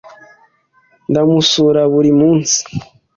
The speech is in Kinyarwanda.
Ndamusura buri munsi.